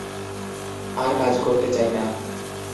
আর কাজ করতে চাই না।